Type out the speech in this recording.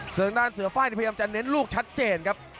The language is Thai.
เสื้อด้านเสื้อไฟล์นี้พยายามจะเน้นลูกชัดเจนครับ